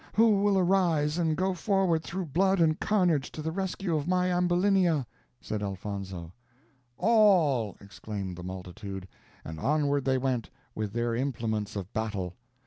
"Who will arise and go forward through blood and carnage to the rescue of my Ambulinia?" said Elfonzo. "All," exclaimed the multitude; and onward they went, with their implements of battle.